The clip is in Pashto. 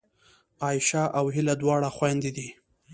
عایشه او هیله دواړه خوېندې دي